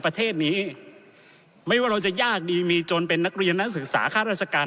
ประเทศนี้ไม่ว่าเราจะยากดีมีจนเป็นนักเรียนนักศึกษาค่าราชการ